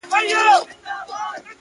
علم د انسان دننه ځواک راویښوي!.